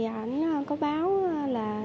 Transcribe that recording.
anh có báo là